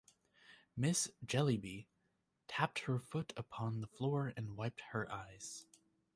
Miss Jellyby tapped her foot upon the floor and wiped her eyes.